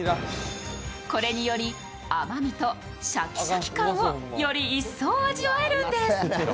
これにより、あまみとシャキシャキ感をより一層味わえるんです。